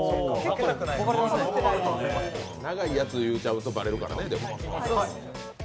長いやつ言うちゃうとバレるからね。